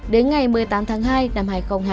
đến ngày một mươi tám tháng hai năm hai nghìn hai mươi